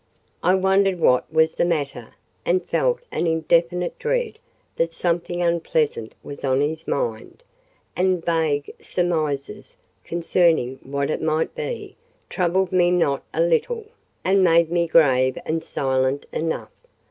I wondered what was the matter, and felt an indefinite dread that something unpleasant was on his mind; and vague surmises, concerning what it might be, troubled me not a little, and made me grave and silent enough.